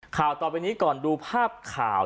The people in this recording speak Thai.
ข่าวต่อไปนี้ก่อนดูภาพข่าว